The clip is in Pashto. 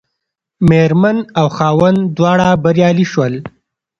مېرمن او خاوند دواړه بریالي شول.